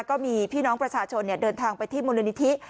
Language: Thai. ก็มีพี่น้องประชาชนเดินทางไปที่มูลนิธิ